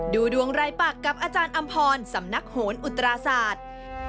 ดูดวงรายปากกับอาจารย์อำพรสำนักโหนอุตราศาสตร์